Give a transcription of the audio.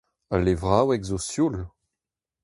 Al levraoueg zo sioul.